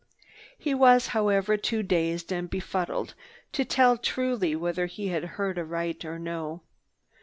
He was, however, too dazed and befuddled to tell truly whether he had heard aright or no.